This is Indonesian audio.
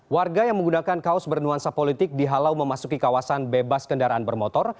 warga yang menggunakan kaos bernuansa politik dihalau memasuki kawasan bebas kendaraan bermotor